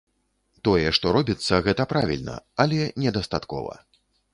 Тое, што робіцца, гэта правільна, але недастаткова.